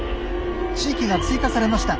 地域が追加されました。